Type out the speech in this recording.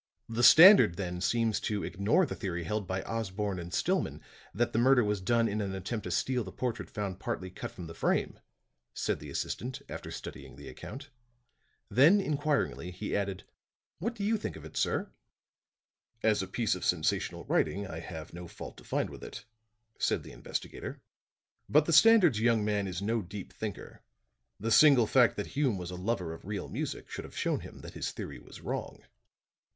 "The Standard, then, seems to ignore the theory held by Osborne and Stillman that the murder was done in an attempt to steal the portrait found partly cut from the frame," said the assistant after studying the account. Then, inquiringly, he added: "What do you think of it, sir?" "As a piece of sensational writing, I have no fault to find with it," said the investigator. "But the Standard's young man is no deep thinker. The single fact that Hume was a lover of real music should have shown him that his theory was wrong."